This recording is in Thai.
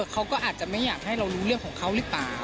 เขาก็อาจจะไม่อยากให้เรารู้เรื่องของเขาหรือเปล่า